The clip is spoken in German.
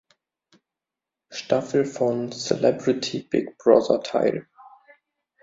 Staffel von Celebrity Big Brother teil.